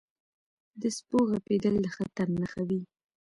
• د سپو غپېدل د خطر نښه وي.